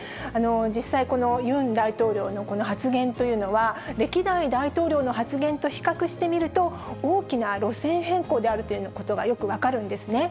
実際、このユン大統領のこの発言というのは、歴代大統領の発言と比較してみると、大きな路線変更であるということがよく分かるんですね。